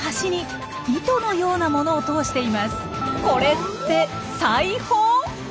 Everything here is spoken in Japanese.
これって裁縫！？